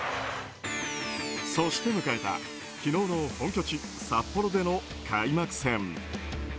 そして迎えた、昨日の本拠地・札幌での開幕戦。